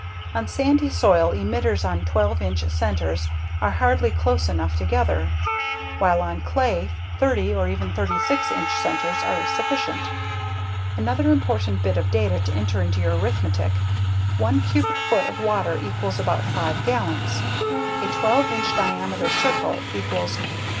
On sandy soil, emitters on 12 inch centers are hardly close enough together, while on clay, 30 or even 36 inch centers are sufficient. Another important bit of data to enter into your arithmetic: 1 cubic foot of water equals about 5 gallons. A 12 inch diameter circle equals 0.